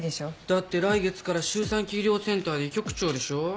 だって来月から周産期医療センターで医局長でしょ？